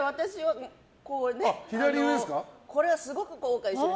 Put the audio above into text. これは、すごい後悔してる。